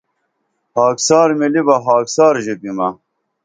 خاکسار مِلی بہ خاکسار ژوپیمہ